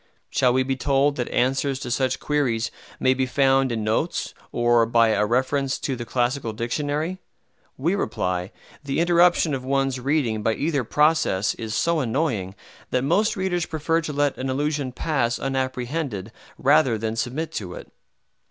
Shall we be told that answers to such queries may be found in notes, or by a reference to the Classical Dictionary? We reply, the interruption of one's reading by either process is so annoying that most readers prefer to let an allusion pass unapprehended rather than submit to it.